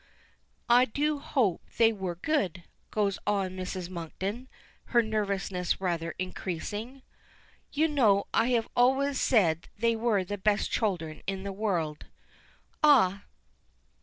"I do hope they were good," goes on Mrs. Monkton, her nervousness rather increasing. "You know I have always said they were the best children in the world." "Ah!